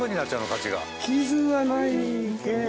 価値が。